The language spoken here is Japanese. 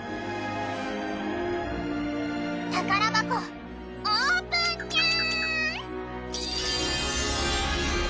宝箱オープンニャン！